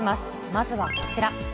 まずはこちら。